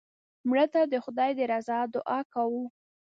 مړه ته د خدای د رضا دعا کوو